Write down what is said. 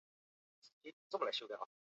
蒙特勒伊地区希勒人口变化图示